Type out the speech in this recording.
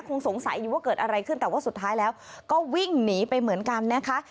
คงสงสัยอยู่ว่าเกิดอะไรขึ้นแต่ว่าสุดท้ายแล้วก็วิ่งหนีไปเหมือนกันนะคะ